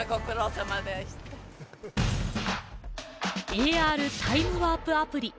ＡＲタイムワープアプリ。